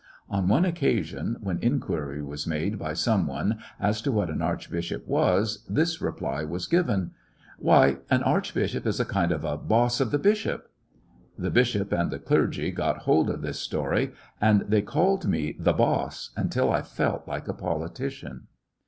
On one occasion, when inquiry was made by some one as to what an archbishop was, this reply was given 2 "Why, an archbishop is a kind of a boss of the bishop." The bishop and the clergy got hold of this story, and they called me "the boss " until I felt like a politician.